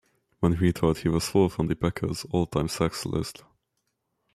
When he retired, he was fourth on the Packers' all-time sacks list.